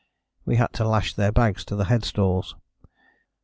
We had to lash their bags on to their headstalls.